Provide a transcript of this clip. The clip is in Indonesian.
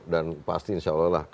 dan pasti insya allah lah